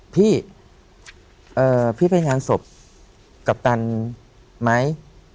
พี่พี่ไปงานศพกัปตันไหม